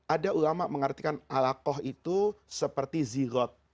ada ulama mengartikan alakoh itu seperti zilot